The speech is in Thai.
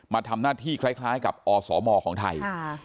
มาทำหน้าที่คล้ายกับอสมของไทย